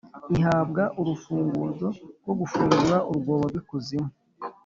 ihabwa urufunguzo rwo gufungura urwobo rw’ikuzimu.